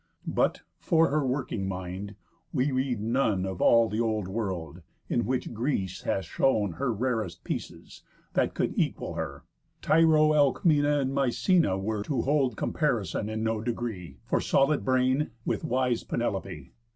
But (for her working mind) we read of none Of all the old world, in which Greece hath shown Her rarest pieces, that could equal her: Tyro, Alcmena, and Mycena were To hold comparison in no degree, For solid brain, with wise Penelope.